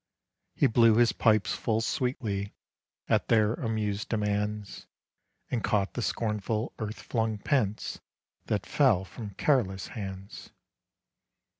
He blew his pipes full sweetly At their amused demands, And caught the scornful earth flung pence That fell from careless hands.